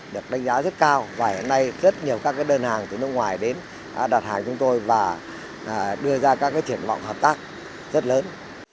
được đánh giá rất cao và hiện nay rất nhiều các đơn hàng từ nước ngoài đến đặt hàng chúng tôi và đưa ra các triển vọng hợp tác rất lớn